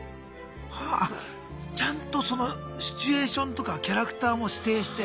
あっちゃんとそのシチュエーションとかキャラクターも指定して。